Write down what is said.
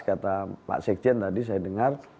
kata pak sekjen tadi saya dengar